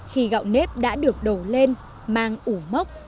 khi gạo nếp đã được đổ lên mang ủ mốc